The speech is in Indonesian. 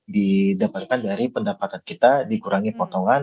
di dapatkan dari pendapatan kita dikurangi potongan